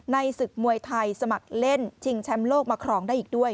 ศึกมวยไทยสมัครเล่นชิงแชมป์โลกมาครองได้อีกด้วย